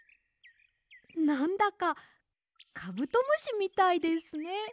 なんだかカブトムシみたいですね。